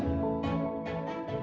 ya kita ke sekolah